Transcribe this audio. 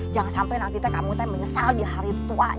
jangan sampai nanti kamu menyesal di hari tua